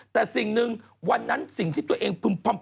แต่สิ่งหนึ่งวันนั้นสิ่งที่ตัวเองพึ่ม